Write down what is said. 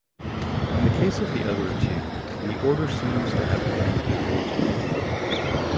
In the case of the other two the order seems to have been evaded.